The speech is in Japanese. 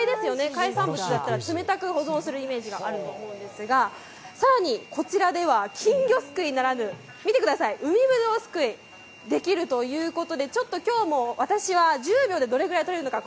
海産物だったら冷たく保存するイメージがあるんですが、更にこちらでは金魚すくいならぬ海ぶどうすくいできるということで、今日も私は１０秒でどれぐらいとれるのか。